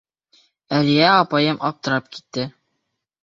— Әлиә апайым аптырап китте.